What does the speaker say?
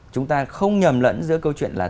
chúng ta không nhầm lẫn giữa câu chuyện là